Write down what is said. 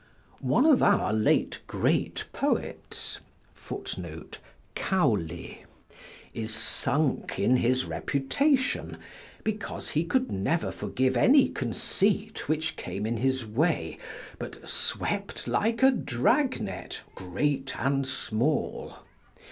One of our late great poets is sunk in his reputation, because he could never forgive any conceit which came in his way, but swept like a dragnet, great and small.